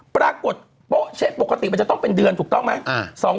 ปรากฏปกติมันจะต้องเป็นเดือนถูกต้องไหม